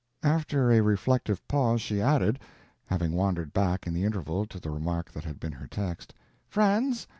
After a reflective pause she added—having wandered back, in the interval, to the remark that had been her text: "Friends?